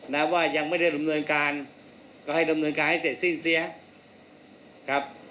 นะว่ายังไม่ได้ดำเนินการก็ให้ดำเนินการให้เสร็จสิ้นเสียครับ